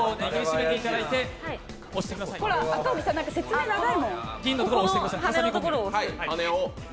赤荻さん説明長いもん。